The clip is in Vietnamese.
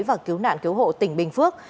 và cứu nạn cứu hộ tỉnh bình phước